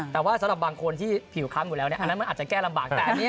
แต่ว่าสำหรับบางคนที่ผิวครั้งอยู่แล้วอันนั้นมันอาจจะแก้ลำบาก